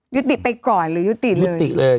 ยุติไปก่อนหรือยุติเลย